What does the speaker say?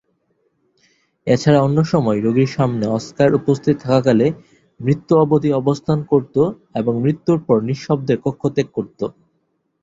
এছাড়া অন্যসময় রোগীর সামনে অস্কার উপস্থিত থাকাকালে, মৃত্যু অবধি অবস্থান করতো, এবং মৃত্যুর পর নিঃশব্দে কক্ষ ত্যাগ করতো।